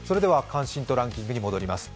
関心度ランキングに戻ります。